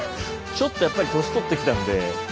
ちょっとやっぱり年取ってきたんで。